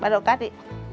bắt đầu cắt đi